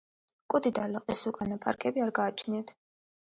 კუდი და ლოყისუკანა პარკები არ გააჩნიათ.